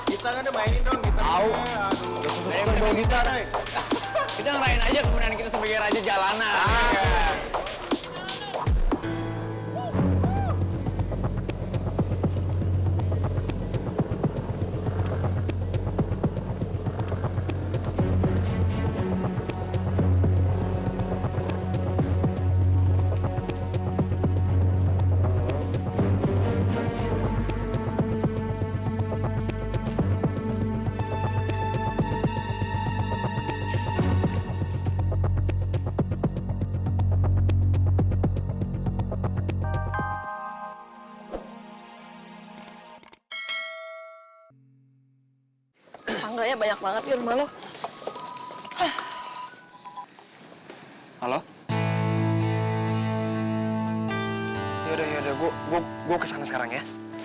yaudah yaudah gue kesana sekarang ya